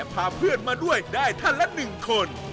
พาเพื่อนมาด้วยได้ท่านละ๑คน